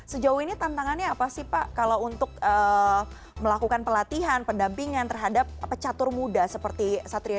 sejauh ini tantangannya apa sih pak kalau untuk melakukan pelatihan pendampingan terhadap pecatur muda seperti satria